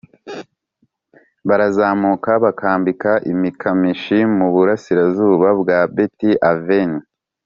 barazamuka bakambika i mikimashi mu burasirazuba bwa beti aveni